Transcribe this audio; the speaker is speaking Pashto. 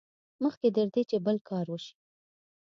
مخکې تر دې چې بل کار وشي.